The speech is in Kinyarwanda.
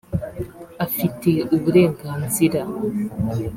afite uburenganzira.